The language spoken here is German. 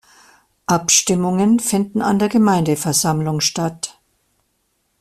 Abstimmungen finden an der Gemeindeversammlung statt.